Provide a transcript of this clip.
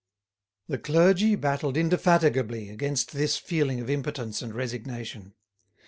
The clergy battled indefatigably against this feeling of impotence and resignation.